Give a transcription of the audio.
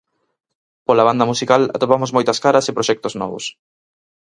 Pola banda musical atopamos moitas caras e proxectos novos.